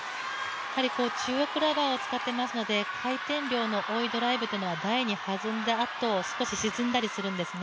中国ラバーを使ってますので回転量の多いドライブというのは台に沈んだあと少し弾んだりするんですよね。